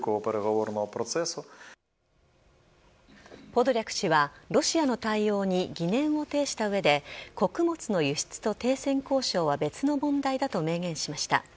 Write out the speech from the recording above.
ポドリャク氏はロシアの対応に疑念を呈した上で穀物の輸出と停戦交渉は別の問題だと明言しました。